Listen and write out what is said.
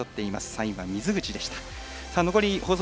３位は水口でした。